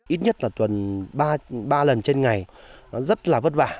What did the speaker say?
ít nhất là tuần ba lần trên ngày nó rất là vất vả